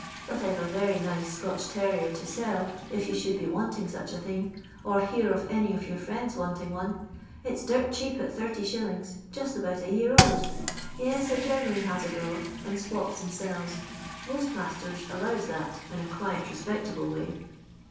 But I 've a very nice Scotch terrier to sell if you should bo wanting such a thing, or hear of any of your friends wanting one. It 's dirt cheap at 30*., just about a year old. Yes, I generally has a dog, and swops and sells. Most masters allows that in a quiet respectable way."